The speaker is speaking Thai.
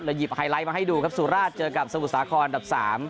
หยิบไฮไลท์มาให้ดูครับสุราชเจอกับสมุทรสาครอันดับ๓